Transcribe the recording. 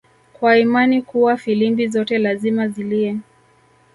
kwa imani kuwa filimbi zote lazima zilie